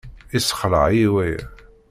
Yessexleɛ-iyi waya.